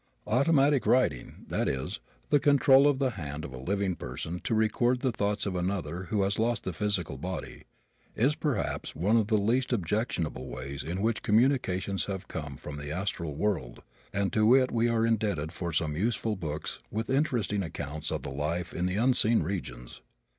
Automatic writing that is, the control of the hand of a living person to record the thoughts of another who has lost the physical body is perhaps one of the least objectionable ways in which communications have come from the astral world, and to it we are indebted for some useful books with interesting accounts of the life in the unseen regions.